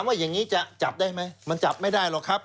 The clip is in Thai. มันจับได้ไหมมันจับไม่ได้หรอกครับ